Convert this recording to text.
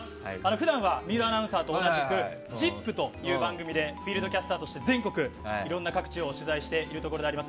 普段は水卜アナウンサーと同じく「ＺＩＰ！」という番組でフィールドキャスターとして全国いろんな各地を取材しています。